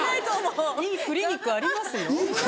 いいクリニックありますよ。